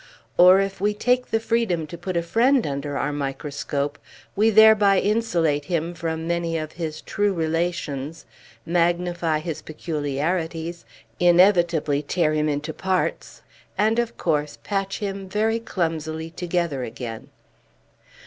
Or if we take the freedom to put a friend under our microscope, we thereby insulate him from many of his true relations, magnify his peculiarities, inevitably tear him into parts, and of course patch him very clumsily together again.